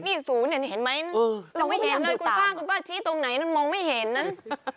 นี่ศูนย์เห็นไหมเราไม่เห็นเลยคุณภาคคุณป้าชี้ตรงไหนมันมองไม่เห็นนั้น